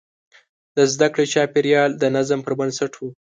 د زده کړې چاپېریال د نظم پر بنسټ و.